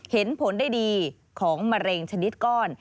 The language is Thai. เห็นผลได้ดีของมะเร็งชนิดก้อน